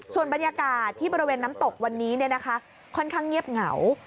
ส่วนบรรยากาศที่บริเวณน้ำตกวันนี้ค่อนข้างเงียบเหงา